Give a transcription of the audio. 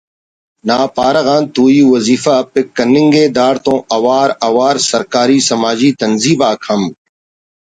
نا پارہ غان توئی وظیفہ پک کننگے داڑتون اَوار اَوار سرکاری سماجی تنظیم آک ہم